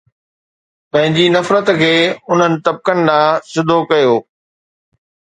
پنهنجي نفرت کي انهن طبقن ڏانهن سڌو ڪيو